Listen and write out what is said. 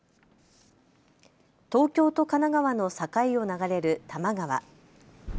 東京と神奈川の境を流れる多摩川。